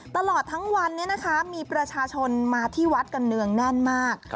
ตลอดทั้งวันนี้นะคะมีประชาชนมาที่วัดกันเนืองแน่นมาก